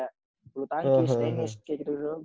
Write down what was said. bulu tangkis tenis kayak gitu